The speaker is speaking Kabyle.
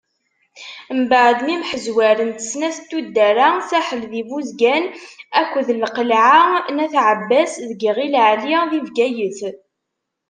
Mbeɛd mi mḥezwarent snat n tuddar-a Saḥel di Buzgan akked Lqelɛa n At Ɛebbas deg Yiɣil Ɛli di Bgayet.